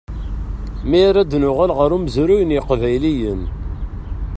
Mi ara d-nuɣal ɣer umezruy n yiqbayliyen.